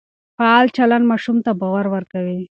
فعال چلند ماشوم ته باور ورکوي.